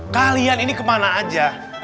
kalian ini kemana aja